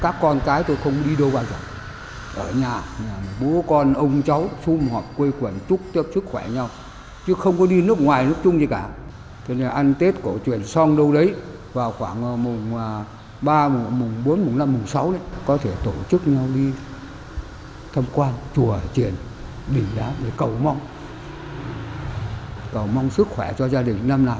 rồi mong sức khỏe cho gia đình năm nào có cháu cũng tổ chức mừng sáu đi